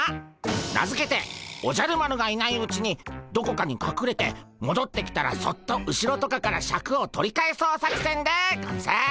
名付けて「おじゃる丸がいないうちにどこかにかくれてもどってきたらそっと後ろとかからシャクを取り返そう作戦」でゴンス。